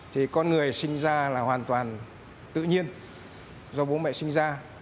thì con người sinh ra là hoàn toàn tự nhiên do bố mẹ sinh ra